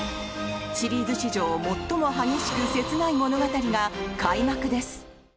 シリーズ史上、最も激しく切ない物語が開幕です！